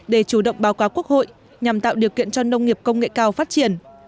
để chủ động báo cáo quốc hội nhằm tạo điều kiện cho nông nghiệp công nghệ cao phát triển